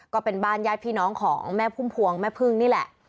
ก็เป็นบ้านญาติพี่น้องของแม่พุ่มพวงแม่พึ่งนี่แหละ